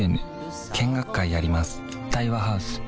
見学会やります